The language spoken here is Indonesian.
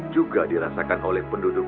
juga dirasakan oleh penduduk